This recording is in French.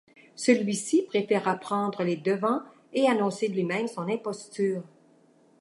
Celui-ci préféra prendre les devants et annoncer lui-même son imposture.